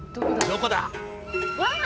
どこだ？